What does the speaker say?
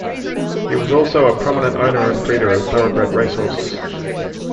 He was also a prominent owner and breeder of Thoroughbred racehorses.